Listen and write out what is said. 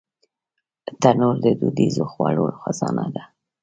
تنور د دودیزو خوړو خزانه ده